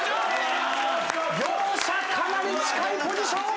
両者かなり近いポジション。